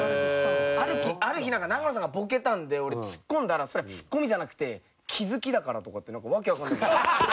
ある日なんか永野さんがボケたんで俺ツッコんだらそれはツッコミじゃなくて気づきだからとかってなんかわけわかんない。